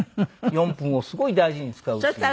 ４分をすごい大事に使うっていう。